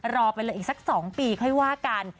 รอไปเลยอีกสัก๒ปีค่อยว่ากัน